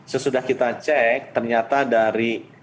sesudah kita cek ternyata dari